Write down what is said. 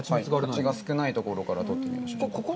蜂が少ないところを取ってみましょう。